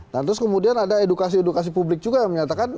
nah terus kemudian ada edukasi edukasi publik juga yang menyatakan